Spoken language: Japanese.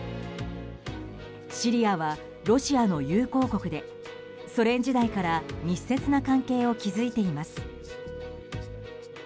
シリアはロシアの友好国でソ連時代から密接な関係を築いています。